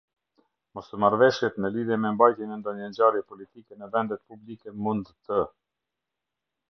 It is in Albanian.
Mosmarrëveshjet në lidhje me mbajtjen e ndonjë ngjarje politike në vendet publike mund të.